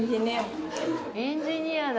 エンジニアだ。